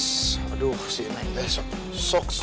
sss aduh si neng besok besok